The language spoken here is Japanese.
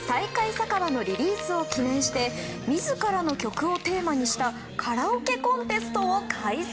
酒場」のリリースを記念して自らの曲をテーマにしたカラオケコンテストを開催。